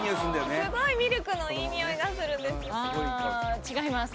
すごいミルクのいいニオイがするんですああ違います